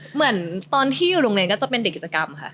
เหมือนตอนที่อยู่โรงเรียนก็จะเป็นเด็กกิจกรรมค่ะ